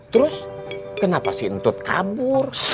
terus kenapa si entut kabur